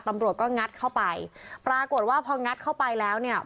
ตำรวจก็งัดเข้าไปปรากฏว่าพองัดเข้าไปแล้วเนี่ย